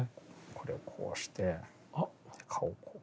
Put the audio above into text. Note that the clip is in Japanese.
これをこうして顔をこう。